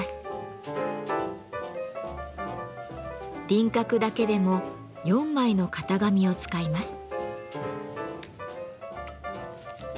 輪郭だけでも４枚の型紙を使います。